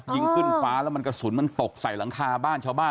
ยิงขึ้นฟ้าแล้วมันกระสุนมันตกใส่หลังคาบ้านชาวบ้าน